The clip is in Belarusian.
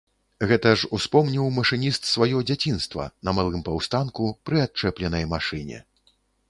Гэта ж успомніў машыніст сваё дзяцінства, на малым паўстанку, пры адчэпленай машыне.